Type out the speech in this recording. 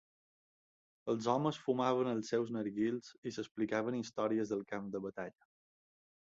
Els homes fumaven els seus narguils i s'explicaven històries del camp de batalla.